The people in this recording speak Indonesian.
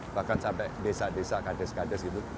bahkan sampai desa desa kades kades gitu